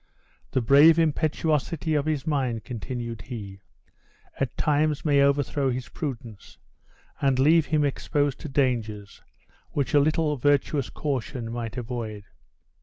"The brave impetuosity of his mind," continued he, "at times may overthrow his prudence, and leave him exposed to dangers which a little virtuous caution might avoid.